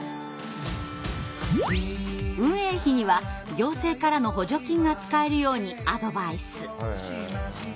運営費には行政からの補助金が使えるようにアドバイス。